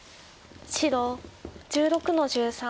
白１６の十三。